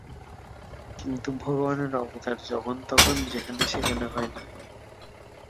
কিন্তু ভগবানের অবতার যখন তখন যেখানে সেখানে হয় না।